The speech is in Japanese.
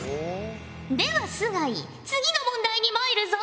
では須貝次の問題にまいるぞ。